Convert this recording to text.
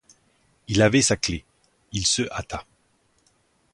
Il avait sa clef, il se hâta.